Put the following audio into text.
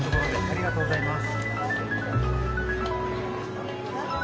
ありがとうございます。